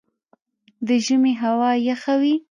د ژمي هوا یخه وي